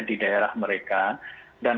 di daerah mereka dan